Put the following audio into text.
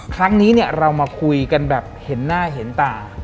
ครั้งนี้เนี่ยเรามาคุยกันแบบเห็นหน้าเห็นตา